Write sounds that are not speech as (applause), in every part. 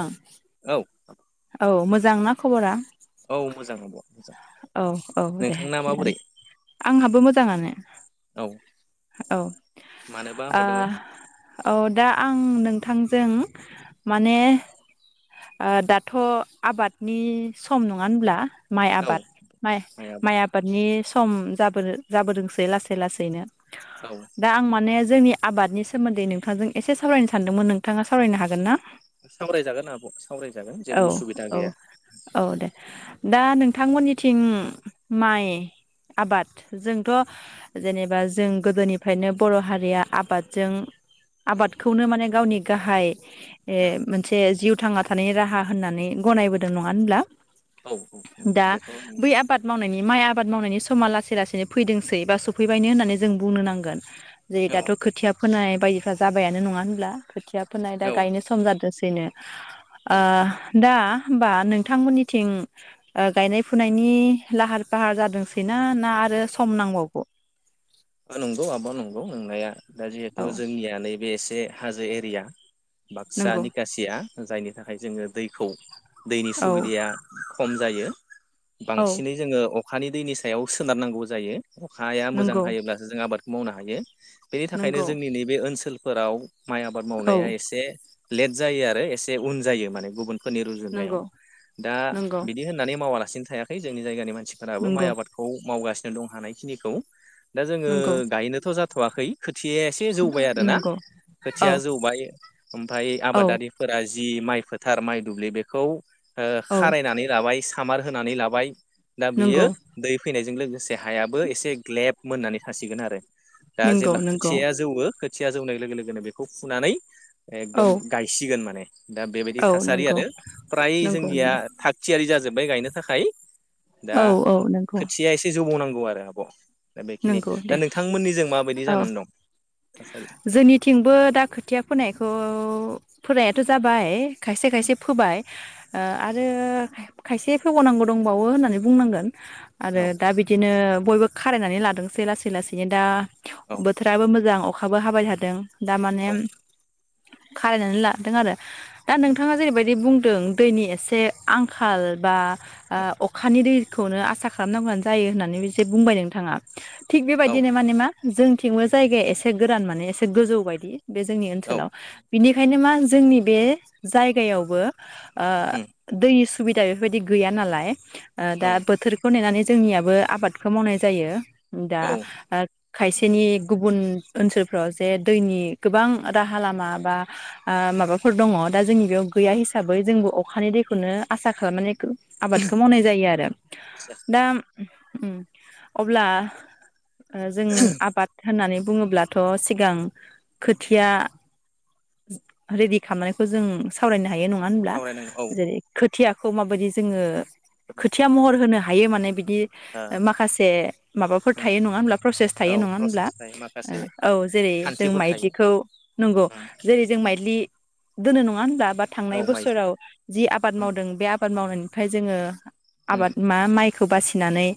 अ औ औ मोज जां ना खबरा? औ मोजां आब'। मोजां औ औ दे नोंथांना माबोरै थिगानो आंहाबो मोजाङानो औ औ ओ मानोबा हरदोंमोन औ दा आं नों थांजों माने ओ दाथ' आबादनि सम नङा होनब्ला? माइ औ आबाद माइ माइ आबादनि नि सम जाबोदो जाबोदोंसै लासै लासै नो औ दा आं मानेस जोंनि आबादनि सोमोन्दै नोंथांजों एसे सावरायनो सानदोंमोन नोंथाङा सावरायनो हागोन ना? सावराय जागोन आब'। सावरायजागोन जेबो औ उसुबिदा औ गैया औ दे दा नोंथ थां मोननिथिं माइ आबाद जोंथ' जेनेबा जों गोदोनिफ्रायनो बर' हारिया आबादजों आबादखौनो माने गावनि गाहाय ए उम मोनसे जिउद थाङाद थानै राहा होननानै गनायबोदों नङा होनब्ला? उम औ नंगौ दा बेथ' नंगौ बै आबाद मावनायनि माइ आब आबाद मावनायनि समा लासै लासैनो फैदोंसै बा सफैबायनो होननानै जों बुंनो नांगोन। नै औ दाथ' खोथियाब फोनाय बायदिफ्रा जाबायानो नङा होनब्ला खोथियाब फोनाय दा गायनो सम जादोस बिदिनो ओ दा होनबा नोंथांमोननिथिं गायनाय फुनायनि लाहार फाहार जादोंसैना ना आरो सम नांबावगौ? नंगौ आब नंगौ आब नंगौ नंनाया दा जिहेथु औ जोंनियानै बे एसे हाजो एरिया बाक्सा नंगौ निखासिया जायनि थाखाय जोंङो दैखौ दैनि औ सुबिदाया खम जायो औ बांसिनै जोंङो अखानि दैनि सायाव सोनारनांगौ जायो। अखाया मोजां नंगौ हायोब्लाथ जों आबाद मावनो हायो बेनि थाखायनो नंगौ जोंनि नैबे ओनसोल फोराव माइ आबाद औ मावनाया एसे लेट जायो आरो एसे उन जायो माने गुबुन फोरनि रुजुनायाव नंगौ दा नंगौ बिदि होननानै मावालासिनो थायाखै है जोंनि जायगानि मानसि सिफोराबो माइ नंगौ आबादखौ मावगासिनो दं हानायखिनिखौ दा जोंङो नंगौ गायनोथ जा थवाखै खोथिया या एसे जौबाय आरो ना नंगौ खोथिया औ जौबाय ओमफ्राय औ आबादारिफोरा जि माइ फोथार माइ दुब्लि बेखौ ओ औ खारायनानै लाबाय खामार होनानै लाबाय दा बियो नंगौ दै फैनाय जों लोगोसे हायाबो एसे ग्लेब मोननानै थासिगोन आरो दा नंगौ जेब्ला नंगौ खोथियाया जौवो खोथिया जौनाय लोगो लोगोनो बेखौ फुनानै औ एकदम गायसिगोन माने दा बेबायदि औ थासारि नंगौ आरो फ्राय नंगौ जोंनिया नंगौ थागथियारि जाजोब माय गायनो थाखाय दा औ औ नंगौ खोथियाया एसे जौबावनां गौ आरो आब' दा बेखिनि नंगौ दा दे नोंथांमोननिजों माबायदि औ जानानै दं थासारि जोंनिथिंबो दा खोथिया फोनायखौ फोरायाथ' जाबाय खायसे खाय ओ आरो खायसे फोबावनांगौ दंबावो होननानै बुंनांगोन। आरो औ दा बिदिनो बयबो खारायना नै लादोंसै लासै लासैनो दा औ बोथोराबो मोजां अ अखाबो हाबाय थादों। दा औ मानेम - खारायनानै लादों आरो दा नोंथाङा जेरैबायदि बुं दों दैनि एसे आंखाल बा ओ अखानि दैज खौनो आसा खालामनांगौआनो जायो होननानै बिसे बुंबाय नोंथाङा। थिग औ बेबायदिनो माने मा जोंथिंबो जायगाया एसे गोरान माने एसे गोजौ बायदि। बे जोंनि औ ओनसोलाव बिनिख खायनो मा जोंनि बे जायगायावबो ओ उम दैस सुबिदा बेफोरबायदि गैया नालाय ओ दा औ बोथोरखौ नेनानैज जोंनियाबो आबादखौ मावनाय जायो। दा औ ओ खायसेनि गुब बुन ओनसोलफ्राव जे दैनि गोबां राहा लामा बा ओ माबाफोर दङ दा जोंनि बेयाव गैया हिसाबै जोंबो अख खानि दैखौनो आसाख खालमानेखो आबादखौ मावनाय जायो आरो दाम उम अब्ला ओ जों आबाद होननानै बु बुङोब्लाथ' सिगां खोथिया रेडि खालामनायखौ जों सावरायनो हायो नं ङा होनब्ला सावरायनांगौ औ औ ओ जेरै खोथियाख खौ माबायदि जोङो। खोथिया महर होनो‌हा हायो माने बिद दि ओ माखासे माबाफोर उम थायो नङा हब्ला प्रसेस औ थायो नङा होनब्ला प्रसेस थायो माखासे ओ औ जेरै जों खान्थिफोर थायो माइज्लिखौ नोंगौ उम जेरै जों उम माइज्लि । दोनो नङा होनबा। बा थांनाय औ माइज्लि बोसोराव जि आबाद उम मावदों बे आबा बाद मावनायनिफाय जोङो। उम आबाद मा माइख खौ बासिनानै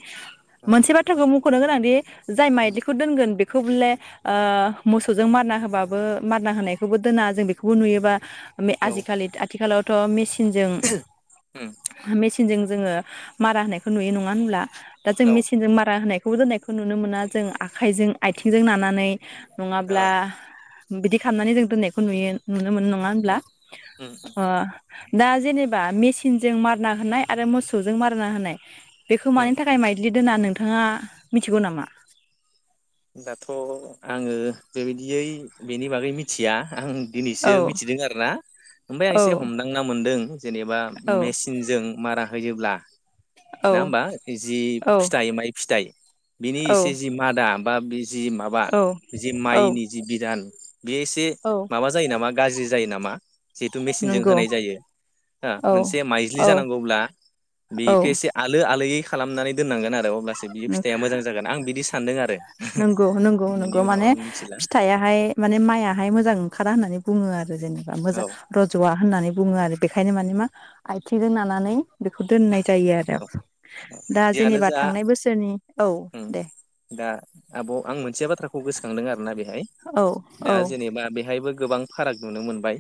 उम औ मोनसे बाथ्राखौ मु खनो गोनां दि जाय उम माइज्लिखौ दोनगोन बे बेखौबोले ओ मोसौजों मारना होबाबो मारना होनायखौबो दोना जों बेखौबो नुयोबा माने औ ओ आजिखालि आथिखालावथ' मेसि सिनजों उम मेसि सिनजों जोङो मारा होनायखौ नुयो नङा होनब्ला दा जों मेसिनजों मारा होनाय खौ होनायखौ नुनो मोना जों आखाइजों आइथिंजों नानानै नङाब्ला बिदि खालामनानै जों दोननायखौ नुयो नो मोनो नङा होनब्ला उम ओ दा जेनेबा मेचिनजों मारना होनाय आरो मोसौजों मारना होनाय बेखौ उम मानि थाखाय माइज्लि दोना नोंथाङा मिथिगौ नामा दाथ' आङो बेबायदियै बेनि बागै मिथिया आं दिनैसो औ मिथिदों आरोना ओमफाय आं औ एसे हमदांना मोनदों जेनेबा औ मेसिनजों मारा होयोब्ला औ नोङा होमबा बि जि औ फिथाइ माइ फिथाइ बिनि औ इसे जि मा दाम बा बिस जि माबा औ जि औ माइनि जि बिधान बेयो एसे औ माबा जायो नामा गाज्रि जायो नामा जिहेथु मेसिनजों नंगौ होनाय जायो हो औ मोनसे माइज्लि औ जानांगौब्ला औ बेखौ एसे आलो आलोयै खालामनानै दोननांगोन आरो अब्ला सो बियो नंगौ फिथाइया मोजां जागोन आं बिनि सान्दों आरो नंगौ नंगौ बिनि नंगौ उनाव माने आं मिथिला फिथाइयाहाय माने माइयाहाय मोजां ओंखार खारा होननानै बुङो आ जेनेबा मोजां औ रज'वा होननानै बुङो आरो बेखायनो माने मा आथिंजों नानानै बेखौ दोननाय। जायो आरो औ दा जियानो जेनेबा जा थांनाय बोसोरनि औ उम दे। दा आब' आं मोनसे बाथ्राखौ गोसोखांदों आरोना बेहाय दा औ जेनेबा बेहायबो गोबां फाराग नुनो मोनबाय।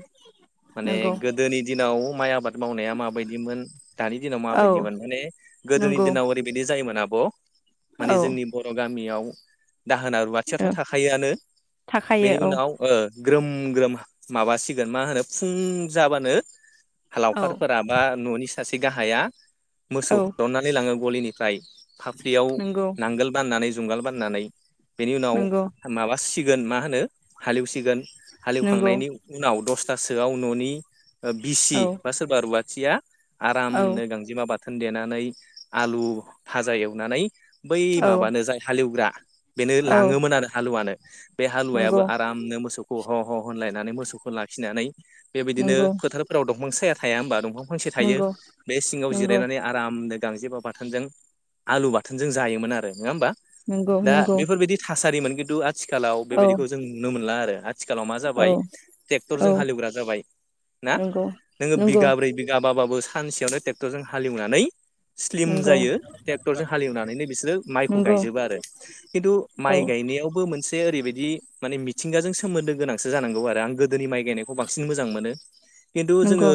माने नंगौ गोदोनि दिनाव। माइ आबाद मावनाया माबायदिमोन दानि दिनाव औ माबायदिमोन। माने गोदोनि नंगौ दिनाव ओरैबायदि जायोमोन आब'। औ माने जोंनि बर' गामियाव (inaudible) दाहोना रुवाथियाथ' औ थाखायोआनो थाखायो बेनि औ उनाव ओ। ग्रोम ग्रोम माबासिगोन मा होनो फुं जाबानो। औ लावखारफोरा बा न'नि सासे गाहाया। मोसौ औ होरननानै लाङो गलिनिफ्राय। फाफ्लियाव नंगौ नांगोल बाननानै जुंगाल बाननानै बेनि उनाव नंगौ माबा सि गोन मा होनो हालेवसिगोन। नंगौ हालेवखांनायनि उनाव दस थासोआव न'नि ओ बिसि औ बा सोरबा रुवा थिया आराम औ नो गांजिमा बा थोन देनानै आलु फाजा एवनानै बै औ माबानो जाय हालेवग्रा (inaudible) बेनो औ लाङोमोन आरो हालुवानो। बे हालुवायाबो नंगौ आरामनो मोसौ ह ह ह होनलायनानै मोसौखौ लाखिनानै बेबायदिनो नंगौ फोथारफोराव दं मोसाया थाया होनोमबा दंफां फांसे थायो नंगौ बे सिङाव जिर नंगौ यनानै आरामनो गांजेबा बाथोनजों आलु बाथोनजों जायोमोन आरो नङा होमबा नंगौ । दा नंगौ बेफोरबायदि था सारिमोन किन्तु आथिखालाव औ बेबायदिखौ जों नुनो मोनला आरो आथिखालाव मा औ जाबाय औ ट्रेक्टरजों हालेवग्रा जाबाय ना नंगौ नोङो नंगौ बिगाब्रै बिगाबाबाबो सानसेयावनो ट्रेक्टरजों हा लेवनानै स्लिम नंगौ जायो ट्रेक्टरजों हालेवनानैनो बिसोरो माइखौ नंगौ गायजोबो आरो खिन्थु औ माइ गायनायावबो मोनसे ओरैबायदि माने मिथिंगाजों सोमोन्दो गोनां सो जानांगौ आरो आं गो दोनि माइ गायनायखौ बांसिन मोजां मोनो खिन्थु नंगौ जोङो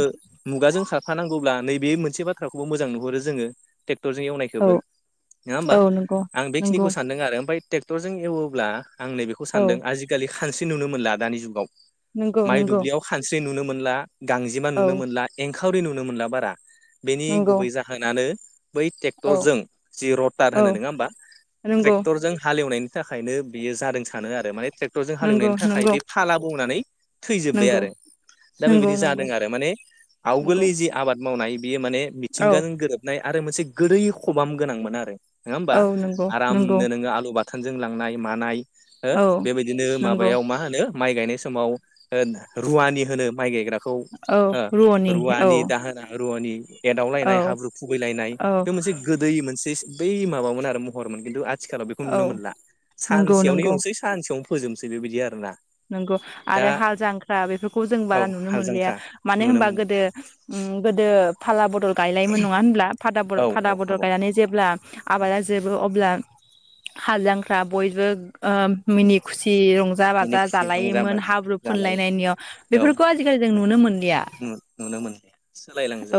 मुगाजों खारफानांगौ ब्ला नैबे मोनसे बाथ्रा खौबो मोजां नुहुरो जोङो ट्रेक्टरजों औ एवनायखौबो नङा होमबा औ नंगौ आं नंगौ बेखिनिखौ सानदों आरो ओमफाय ट्रेक्टरजों एवोब्ला आं नैबेखौ औ सानदों आजिखालि खानस्रि नुनो मोनला दानि जुगाव। नंगौ माइ नंगौ दुब्लियाव खानस्रि नुनो मो मोनला। गांजेमा औ नुनो मोनला (unintelligible) (unintelligible) नुनो मोनला बारा। बेनि नंगौ गुबै जाहोनानो बै औ ट्रेक्टरजों जि रटार औ होनो नङा होमबा नंगौ ट्रेक्टरजों हालेवनायनि (unintelligible) थाखायनो बियो जादों सानो आरो माने (unintelligible) जों नंगौ हालेवनायनि थाखाय नंगौ बे फाला बौनानै थैजोब्बाय नंगौ आरो दा नंगौ बेबायदि नंगौ जादों आरो माने नंगौ आवगोलनि जि आबाद मावनाय बियो माने औ मिथिंगाजों गोरोबनाय आरो मोनसे गोदै खबाम गोनांमोन आरो। नङा होमबा औ नंगौ नंगौ आरामनो नोङो आलु (unintelligible) (unintelligible) लांनाय मानाय औ (unintelligible) बेबायदिनो नंगौ माबायाव मा होनो माइ गायनाय समाव ओ रुवानि होनो माइ गायग्राखौ औ हो रुव'नि औ रुवानि दाहोना (unintelligible) रूवनि औ एदावलायनाय हाब्रु खुबैलायनाय औ थ' मोनसे गोदै मोनसे बै माबामोन आरो महरमोन खिन्थु (unintelligible) (unintelligible) बेखौ औ नुनो मोनला नंगौ सानसेयावनो नंगौ एवनोसै सानसेयावनो फोजोबनोसै बेबायदि आरो ना। नंगौ आरो हाल जांख्रा बेफोरखौ जों औ बारा नुनो हाल मोनलिया जांख्रा मानो नुनो होनबा मोनला गोदो उम गोदो फाला बदल गायलायोमोन नङा होनब्ला फादा औ बरफ फादा औ बदल हाबाव गायनानै जेब्ला आबादा जोबो अब्ला हालजांख्रा बयबो ओ मिनि खुसि रंजा बाजा मिनि जा खुसि रंजा जालायोमोन बाजा हाब्रु जालाय फुनलायनाय निय औ बेफोरखौ जों आजिखालि नुनो मोनलिया नुनो मोनलिया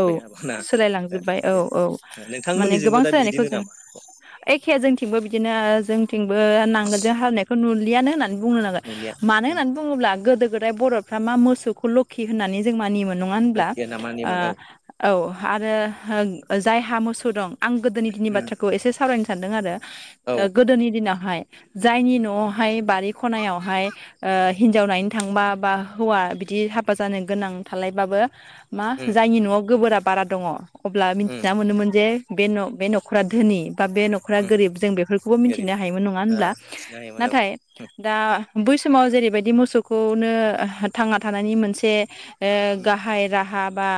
औ आब'ना दा सोलायलांजोबबाय औ बेबायदि औ माने नोंथांमोननिजोंबो गोबां दा सोलायनायखौ बिदिनो जों नामा आब' एखे जोंथिंबो बिदिनो (unintelligible) नांगोलजों हालौनायखौ न (unintelligible) (unintelligible) होननानै बुंनो नांगोन। नुलिया मानो होननानै बुङोब्ला गोदो गोदाय बर'फ्रा मा मोसौखौल' (unintelligible) होन्नानै जों मानियोमोन। नङा होनब्ला लाखिया ना मानिमोन औ ओ औ। आरो जायहा मोसौ दं। आं गोदोनि दिननि बाथ्राखौ एसे सावरायनो सान्दों आरो ओ औ गोदोनि दिनावहाय जायनि उम न'आवहाय बारि खनायाव हाय हिनजाव नायनो थांबा बा हौवा बिदि हाबा जानो गोनां थालायबाबो मा उम जायनि न'आव गोबोराब बारा दङ अब्ला मिथिना मोनोमोन जे बे न बे न'खरा धोनि बा बे न'खरा उम गोरिब जों बेफोरखौबो गोरिब मिथिनो हायोमोन नङा ओ होनब्ला मिथिनो हायोमोन औ नाथाय दा बै समाव जेरैबायदि मोसौखौनो थांना थानायनि मोनसे उम गाहाय राहा बा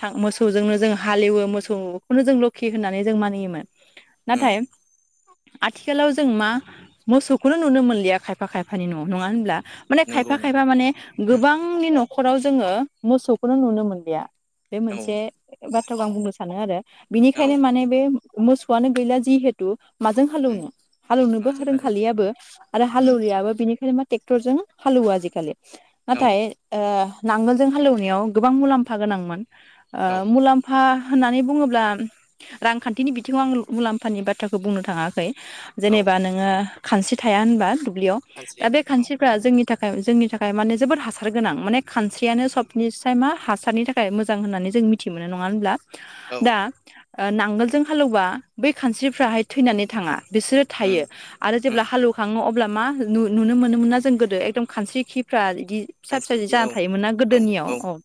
थां मोसौजोंनो जों हालेवो मोसौखौनो जों लोखि होननानै जों मानियोमोन उम नाथाय आथिखालाव जों मा मोसौखौनो नुनो मोनलिया खायफा खायफा खायफानि नआव नङा होनब्ला माने नंगौ खायफा नंगौ खायफा माने गोबांनि न नखराव जोङो मोसौखौनो नुनो मोनलिया बे औ मोनसे बाथ्राखौ आं बुंनो सानो आरो औ बिनिखायनो माने बे मोसौआनो गैला जिहेतु माजों उम हालौवनो हालौनोबो माजों हालेवो रोंखालियाबो आरो उम हालौवरियाबो बेफोरो मा ट्रेक्टरजों हालोवो आजिखालि औ नाथाय ओ नांगोलजों हालेवनायाव गोबां मुलाम्फा गोनांमोन आ औ मुलाम्फा होननानै बुङोब्ला रांखान्थिनि बिथिङाव आं मुलाम्फानि बाथ्राखौ बुंनो थाङाखै औ जेनेबा नोङो खानस्रि थाया होनबा ब्लियाव खानस्रियाव बे खानस्रिफ्रा जोंनि थाखाय जोंनि थाखाय माने जोबोद हासार गोनां माने खानस्रियानो सबनिसाय मा हासारनि थाखाय मोजां होननानै जों मिथि मोनो नङा होनब्ला औ औ दा ओ नांगोलजों हालौवबा बै खानस्रिफ्राहाय थैनानै थाङा बिसोरो उम थायो आरो उम जेब्ला हालौवखाङो अ अब्ला मान नु नुनो मोनोमोना जों गोदो एकदम खानस्रि खिफ्रा बिदि फिसा फिसा जि खानस्रिखि जाना औ थायोमोन ना गोदोनियाव औ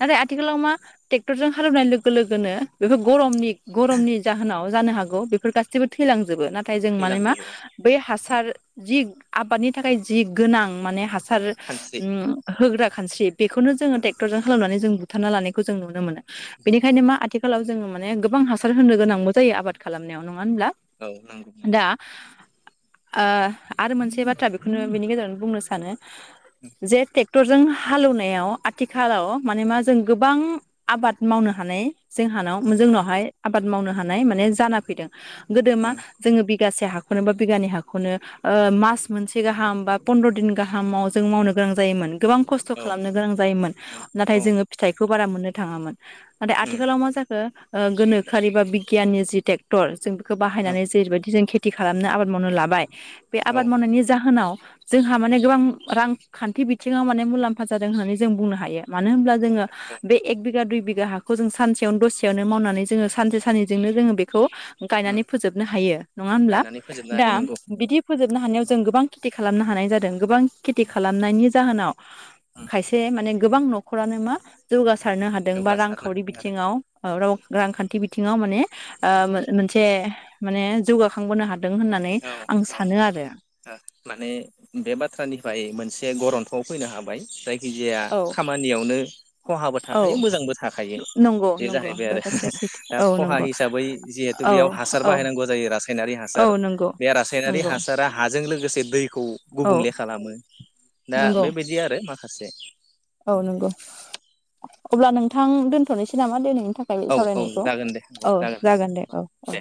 नाथाय आथिखालाव मा टेक्टरजों हालेवनाय लोगो लोगोनो बेफोर गरमनि गरमनि जाहोनाव जानो हागौ बेफोर गासिबो थैलांजोबो ना नाथाय जों माने मा थैलांजोबो बै ओ हासार जि आबादनि थाखाय जि गोनां। माने हासार खानस्रि ओम होग्रा खानस्रि बेखौनो जोङो ओ टेक्टरजों हालौनानै जों बुथारना लानाय खौ जों नुनो मोनो? नंगौ बेनिखायनो मा आथिखालाव जों माने गोबां हासार होनो गोनांबो जायो आबाद खालामनायाव, नङा मानो होनब्ला? औ नंगौ दा ओ आरो मोनसे बे बाथ्रा बेखौनो बिनि गेजेरावनो बुंनो सानो। उम जेयाइटेक ट्रेक्टरजों हालेवनायाव, आथिखालाव माने मा जों गोबां आबाद मावनो हानाय जोंहानाव उम जोंनावहाय। आबाद मावनो हानाय माने जाना फैदों। गोदो मा उम जोङो बे गासे हाखौनो बा बिघानै हाखौनो ओ मास मोनसे गाहाम बा पन्द्र' दिन गाहामाव जों मावनो गोनां जायोमोन। गोबां खस्थ' औ खालामनो गोनां जायोमोन, उम नाथाय जोङो फिथाइखौ बारा मोननो थाङामोन। नाथाय आथिखालाव मा जाखो? ओ गोनोखोआरि बा बिगियाननि जि ट्रेक्टर जों बि खो औ बाहायनानै जेरैबायदि जों खे खेथि खालामनो आबाद मावनो लाबाय। बे औ आबाद मावनायनि जाहोनाव जोंहा माने गोबां रांखान्थि बिथिङाव माने मुलाम्फा जादों होननानै जों बुंनो हायो। मानो होमब्ला जोङो बे एक बिघा दुइ बि घा हाखौ जों सानसेयावनो दसेयावनो मावनानै जोङो सानसे सानैजोंनो जोङो बेखौ उम गायनानै फोजोबनो हायो, नङा होमब्ला? गायनानै फोजोबनो दा हायो नंगौ बिदि फोजोबनो हानायाव गोबां खेथि खालामनो हानाय जादों, गोबां खेथि खालामनायनि जाहोनाव खायसे माने गोबां न'खरानो मा जौगा सारनो हादों बा जौगासारनो रांखावरि हादों बिथिङाव ओ राव रांखान्थि बिथिङाव माने ओ मो-मोनसे माने जौगाखांबोनो हा दों होननानै आं सानो आरो ओ माने बे बाथ्रानिफ्राय मोनसे गरन्थ'आव फैनो हाबाय। जाय खिजाया औ खामानियावनो खहाबो औ थाखायो मोजांबो थाखायो। नंगौ बे नंगौ जाहैबाय बे आरो बाथ्राया दा सैथो औ खहा नंगौ हिसाबै जिहेथु औ बेयाव हासार औ बाहायनांगौ जायो रासायनारि औ हासार। नंगौ बे रासायनारि नंगौ हासारा हाजों लोगोसे दैखौ औ गुबुंले खालामो ना नंगौ बेबायदि आरो मा खासे औ नंगौ। अब्ला नों थां दोनथ'नोसै नामा दिनै? थाखाय औ औ सावरायनायखौ जागोन दे औ जागोन दे औ औ।